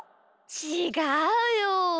ちがうよ。